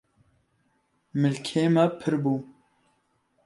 milkê me pirbû